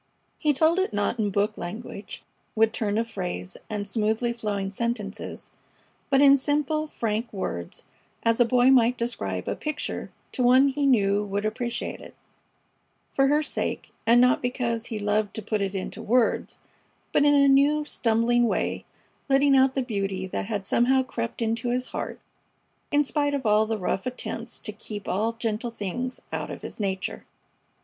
He told it not in book language, with turn of phrase and smoothly flowing sentences, but in simple, frank words, as a boy might describe a picture to one he knew would appreciate it for her sake, and not because he loved to put it into words; but in a new, stumbling way letting out the beauty that had somehow crept into his heart in spite of all the rough attempts to keep all gentle things out of his nature.